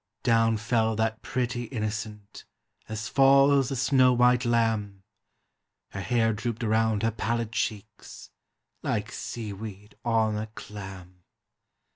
Down fell that pretty innocent, as falls a snow white lamb, Her hair drooped round her pallid cheeks, like sea weed on a clam.